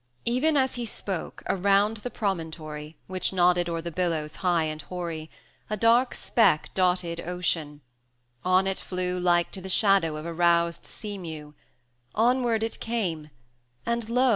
VII. Even as he spoke, around the promontory, Which nodded o'er the billows high and hoary, A dark speck dotted Ocean: on it flew Like to the shadow of a roused sea mew; Onward it came and, lo!